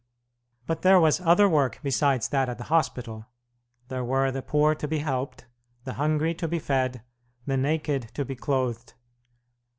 But there was other work besides that at the hospital. There were the poor to be helped, the hungry to be fed, the naked to be clothed.